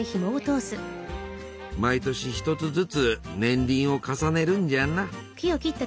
毎年一つずつ年輪を重ねるんじゃな。